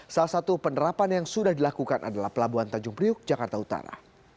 salah satu penerapan yang sudah dilakukan adalah pelabuhan tanjung priuk jakarta utara